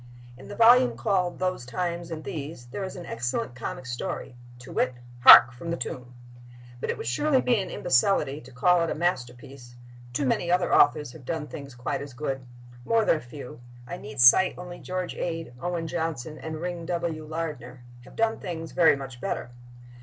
In the volume called "Those Times and These" there is an excellent comic story, to wit, "Hark, From the Tomb!" But it would surely be an imbecility to call it a masterpiece; too many other authors have done things quite as good; more than a few (I need cite only George Ade, Owen Johnson and Ring W. Lardner) have done things very much better.